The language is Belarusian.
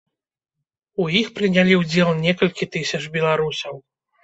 У іх прынялі ўдзел некалькі тысяч беларусаў.